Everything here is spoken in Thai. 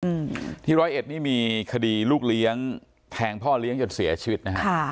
อืมที่ร้อยเอ็ดนี่มีคดีลูกเลี้ยงแทงพ่อเลี้ยงจนเสียชีวิตนะฮะค่ะ